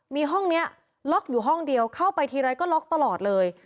มีห้องนี้ล็อกอยู่ห้องเดียวเข้าไปทีไรก็ล็อกตลอดเลย